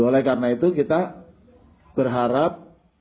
oleh karena itu kita berharap